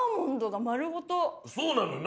そうなのよ。